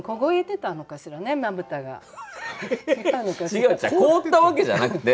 違う違う凍ったわけじゃなくて。